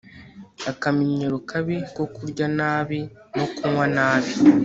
Akamenyero kabi ko kurya nabi no kunywa nabi